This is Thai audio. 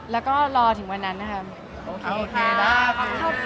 แล้วก็รอถึงวันนั้นนะครับ